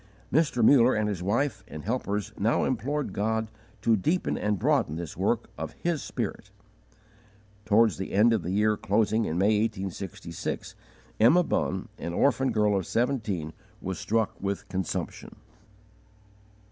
Mr. Muller and his wife and helpers now implored God to deepen and broaden this work of His Spirit. Towards the end of the year closing in May, 1866, Emma Bunn, an orphan girl of seventeen, was struck with consumption.